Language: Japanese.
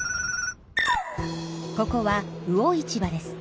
ここは魚市場です。